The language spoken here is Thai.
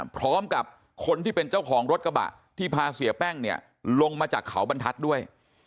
พร้อมกับคนที่เป็นเจ้าของรถกระบะที่พาเสียแป้งเนี่ยลงมาจากเขาบรรทัศน์ด้วย